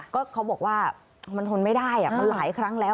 ก็เขาบอกว่ามันทนไม่ได้มันหลายครั้งแล้ว